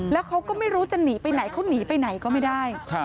แล้วเขาก็ไม่รู้จะหนีไปไหนเขาหนีไปไหนก็ไม่ได้